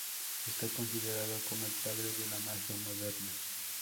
Está considerado como el padre de la magia moderna.